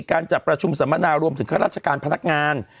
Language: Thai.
การจัดประชุมสัมมนารวมถึงข้าราชการพนักงาน